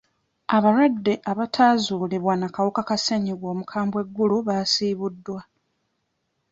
Abalwadde abataazuulibwa na kawuka ka ssennyiga omukambwe e Gulu basiibuddwa.